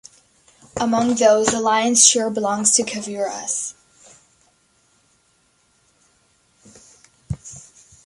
Among those, the lion's share belongs to Kavouras.